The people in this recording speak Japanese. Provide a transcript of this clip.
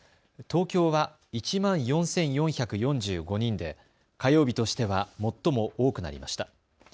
東京は１万４４４５人で火曜日としては最も多くなりました。